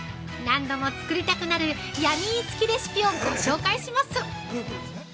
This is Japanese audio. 何度も作りたくなるヤミつきレシピをご紹介します。